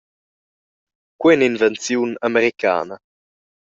Quei ei ina invenziun americana.